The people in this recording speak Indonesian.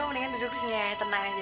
gue mendingan duduk disini ya tenang ya